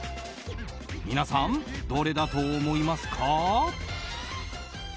皆さん、どれだと思いますか？